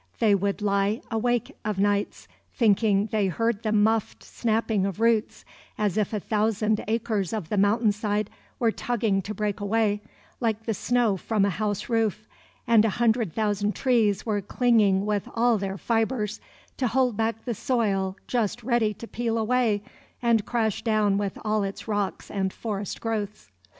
They would lie awake of nights, thinking they heard the muffed snapping of roots, as if a thousand acres of the mountain side were tugging to break away, like the snow from a house roof, and a hundred thousand trees were clinging with all their fibres to hold back the soil just ready to peel away and crash down with all its rocks and forest growths.